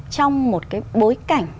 trong một cái bối cảnh